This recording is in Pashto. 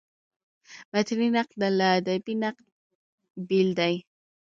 متني نقد له ادبي نقده بېل دﺉ.